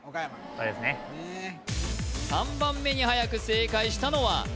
３番目にはやく正解したのは？